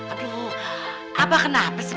aduh abah kenapa sih